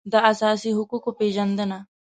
د اساسي حقوقو پېژندنه